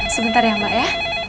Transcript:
sebentar ya mbak ya